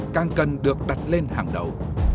càng cần được đặt lên hàng đầu